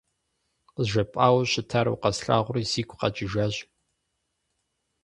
КъызжепӀауэ щытар, укъэслъагъури, сигу къэкӀыжащ.